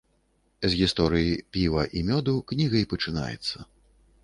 З гісторыі піва і мёду кніга і пачынаецца.